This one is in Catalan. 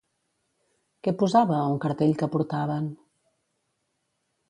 Què posava a un cartell que portaven?